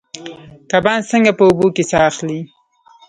کبان څنګه په اوبو کې ساه اخلي؟